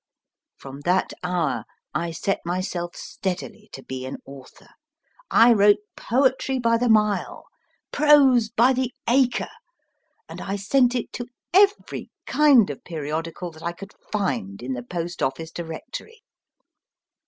From that hour I set myself steadily to be an author. I wrote poetry by the mile, prose by the acre, and I sent it to every kind of periodical that I could find in the Post Office Directory.